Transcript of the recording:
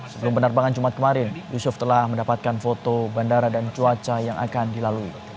sebelum penerbangan jumat kemarin yusuf telah mendapatkan foto bandara dan cuaca yang akan dilalui